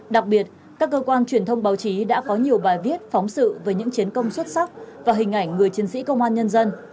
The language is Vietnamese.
đặc biệt các cơ quan truyền thông báo chí đã có nhiều bài viết phóng sự về những chiến công xuất sắc và hình ảnh người chiến sĩ công an nhân dân